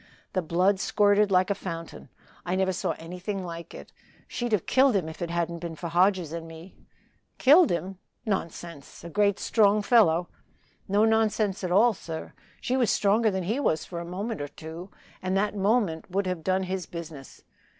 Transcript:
The blood squirted like a fountain I never saw anything like it. She'd have killed him if it hadn't been for Hodges and me." "Killed him? nonsense a great strong fellow!" "No nonsense at all, sir. She was stronger than he was for a moment or two and that moment would have done his business.